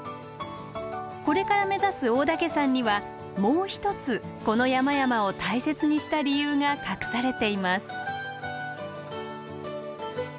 これから目指す大岳山にはもう一つこの山々を大切にした理由が隠されています。